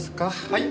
はい。